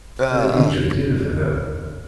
Ad giǧǧent i lebda?